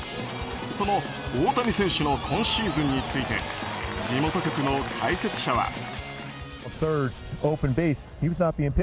その大谷選手の今シーズンについて地元局の解説者は。